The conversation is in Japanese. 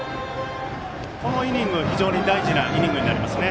このイニング、非常に大事なイニングになりますね。